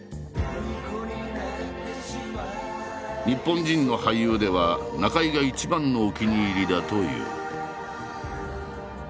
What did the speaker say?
日本人の俳優では中井が一番のお気に入りだという。